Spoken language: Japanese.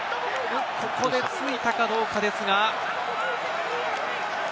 ここでついたかどうかですが。